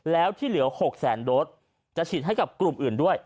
แล้วที่เหลือ๖แสนโดสจะฉีดให้กับกลุ่มอื่นด้วย